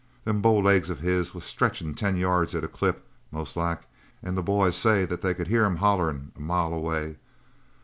Them bow legs of his was stretchin' ten yards at a clip, most like, and the boys says they could hear him hollerin' a mile away.